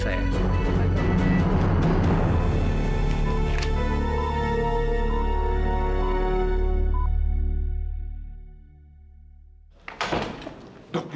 pak aku mau pergi